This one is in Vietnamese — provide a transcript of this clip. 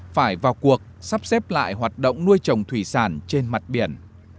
phải vào cuộc sắp xếp lại hoạt động nuôi trồng thủy sản trên mặt biển